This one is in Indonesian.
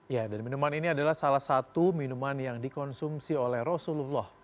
ya dan minuman ini adalah salah satu minuman yang dikonsumsi oleh rasulullah